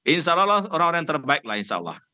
insya allah orang orang yang terbaik lah insya allah